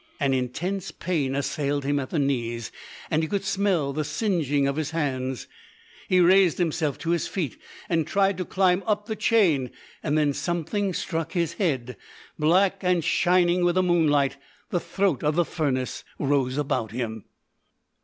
An intense pain assailed him at the knees, and he could smell the singeing of his hands. He raised himself to his feet, and tried to climb up the chain, and then something struck his head. Black and shining with the moonlight, the throat of the furnace rose about him.